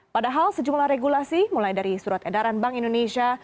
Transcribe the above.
padahal sejumlah regulasi mulai dari surat edaran bank indonesia